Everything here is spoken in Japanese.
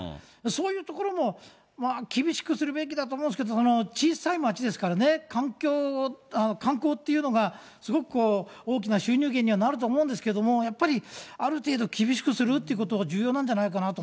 そういうところも、厳しくするべきだと思うんですけど、小さい町ですからね、観光っていうのが、すごくこう、大きな収入源にはなると思うんですけれども、やっぱりある程度厳しくするっていうことが重要なんじゃないかな